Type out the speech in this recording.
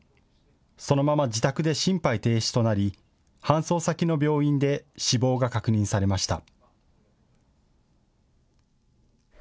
そのまま自宅で心肺停止となり搬送先の病院で死亡が確認されました。